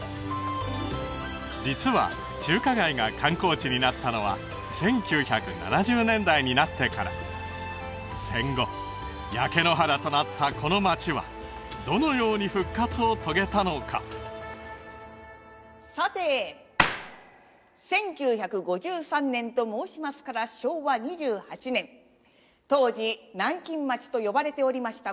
実は中華街が観光地になったのは１９７０年代になってから戦後焼け野原となったこの街はどのように復活を遂げたのかさて１９５３年と申しますから昭和２８年当時南京町と呼ばれておりました